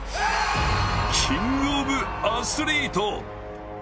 キングオブアスリート。